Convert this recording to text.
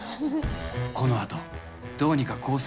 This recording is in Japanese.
このあと、どうにかコース